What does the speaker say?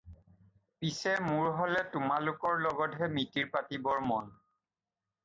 পিচে মোৰ হ'লে তোমালোকৰ লগতহে মিতিৰ পাতিবৰ মন।